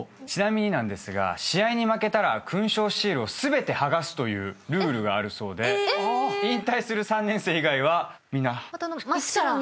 ちなみになんですが試合に負けたら勲章シールを全て剥がすというルールがあるそうで引退する３年生以外はみんな。